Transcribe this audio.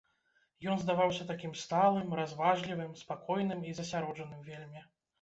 Ён здаваўся такім сталым, разважлівым, спакойным і засяроджаным вельмі.